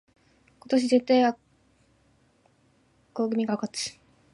今年絶対紅組が勝つ